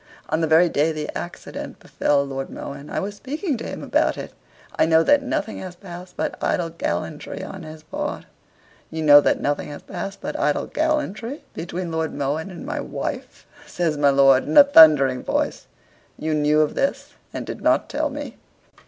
On the very day the accident befell Lord Mohun, I was speaking to him about it. I know that nothing has passed but idle gallantry on his part." "You know that nothing has passed but idle gallantry between Lord Mohun and my wife," says my lord, in a thundering voice "you knew of this and did not tell me?"